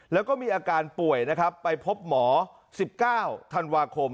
แล้วก็มีอาการป่วยนะครับไปพบหมอ๑๙ธันวาคม